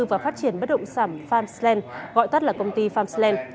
và phát triển bất động sảm pham slen gọi tắt là công ty pham slen